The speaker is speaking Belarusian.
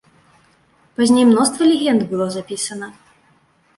Пазней мноства легенд было запісана.